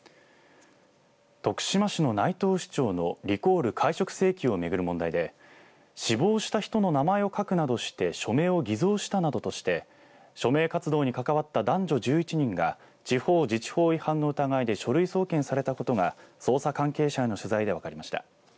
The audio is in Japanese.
徳島市の内藤市長のリコール解職請求を巡る問題で死亡した人の名前を書くなどして署名を偽造したなどとして署名活動に関わった男女１１人が地方自治法違反の疑いで書類送検されたことが捜査関係者への取材で分かりました。